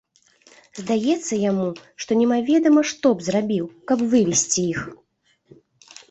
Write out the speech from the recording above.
Здаецца яму, што немаведама што б зрабіў, каб вывесці іх.